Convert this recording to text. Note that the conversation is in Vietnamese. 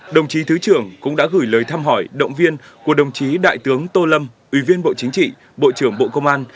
đồng chí thứ trưởng cũng đã gửi lời thăm hỏi động viên của đồng chí đại tướng tô lâm ủy viên bộ chính trị bộ trưởng bộ công an